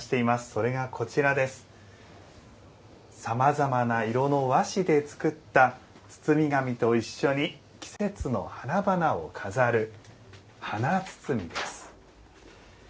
それが、さまざまな色の和紙で作った包み紙と一緒に季節の花々を飾る華包です。